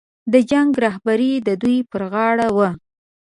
د جنګ رهبري د دوی پر غاړه وه.